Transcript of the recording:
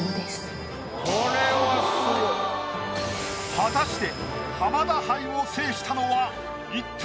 果たして。